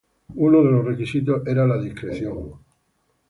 Uno de los requisitos era la discreción.